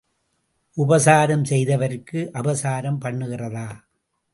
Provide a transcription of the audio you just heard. உபசாரம் செய்தவருக்கு அபசாரம் பண்ணுகிறதா?